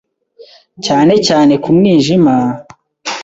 cyane cyane ku mwijima,